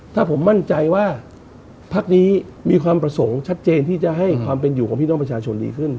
ถ้าผมมั่นใจว่าพักนี้มีความประสงค์ชัดเจนที่จะให้ความเป็นอยู่ของพี่น้องประชาชนดีขึ้น